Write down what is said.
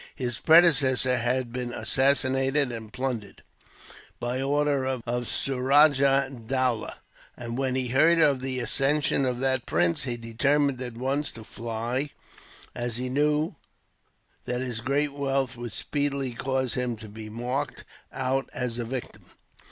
His predecessor had been assassinated and plundered, by order of Suraja Dowlah; and when he heard of the accession of that prince, he determined at once to fly, as he knew that his great wealth would speedily cause him to be marked out as a victim.